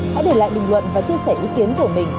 hãy để lại bình luận và chia sẻ với chúng tôi